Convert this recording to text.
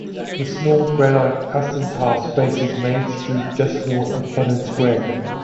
The small granite Customs House faces Main Street just north of Cannon Square.